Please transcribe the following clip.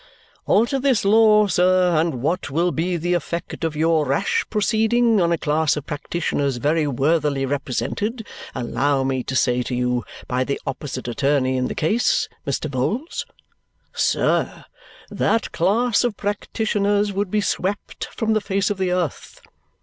Alter this law, sir, and what will be the effect of your rash proceeding on a class of practitioners very worthily represented, allow me to say to you, by the opposite attorney in the case, Mr. Vholes? Sir, that class of practitioners would be swept from the face of the earth.